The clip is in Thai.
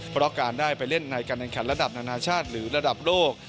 เพราะการได้ไปเล่นในการแข่นระดับดับธนาฬิการหรือระดับโลก